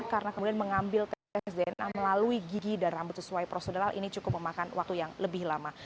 karena kemudian mengambil tes dna melalui gigi dan rambut sesuai prosedural ini cukup memakan waktu yang lebih lama